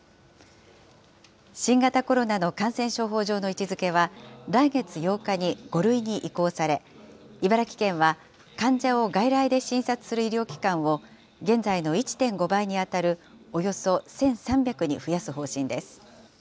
新型コロナの感染症法上の位置づけは、来月８日に５類に移行され、茨城県は患者を外来で診察する医療機関を、現在の１．５倍に当たるおよそ１３００に増やす方針です。